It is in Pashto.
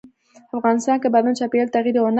افغانستان کې بادام د چاپېریال د تغیر یوه نښه ده.